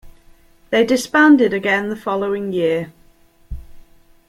They disbanded again the following year.